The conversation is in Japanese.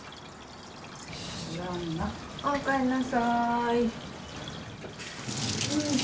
ああおかえりなさい。